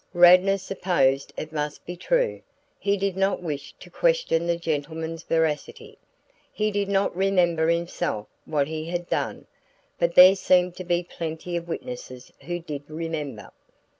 Radnor supposed it must be true. He did not wish to question the gentlemen's veracity. He did not remember himself what he had done, but there seemed to be plenty of witnesses who did remember.